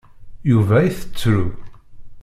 Yuba itettru.